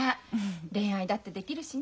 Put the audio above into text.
恋愛だってできるしね。